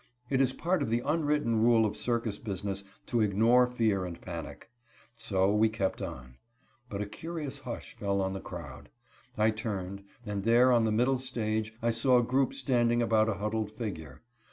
It is part of the unwritten rule of circus business to ignore fear and panic. So we kept on. But a curious hush fell on the crowd. I turned, and there on the middle stage I saw a group standing about a huddled figure.